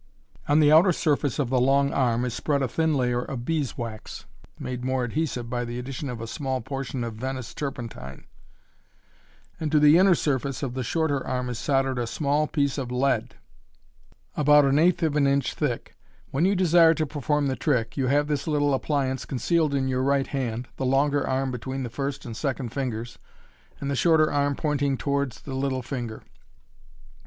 On the outer surface of the long arm is spread a thin layer of bees' wax (made more adhesive by the addition of a small portion of Venice turpentine), and to the inner surface of the shorter arm is soldered a small piece of lead, about an eighth of an inch 134 MODERN MAGIC. thick. "When you desire to perform the trick, you have this little appliance concealed in your right hand, the longer arm between the first and second ringers, and the shorter arm pointing towards the little ringer.